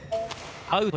アウト。